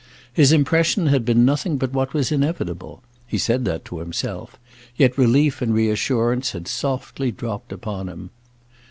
His impression had been nothing but what was inevitable—he said that to himself; yet relief and reassurance had softly dropped upon him.